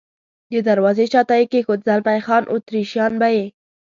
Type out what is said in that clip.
د دروازې شاته یې کېښود، زلمی خان: اتریشیان به یې.